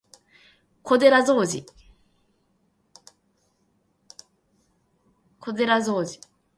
小寺浩二